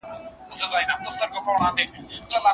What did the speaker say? ای مړ سړیه، په ډګر کي ږدن او اتڼ خوښ کړه.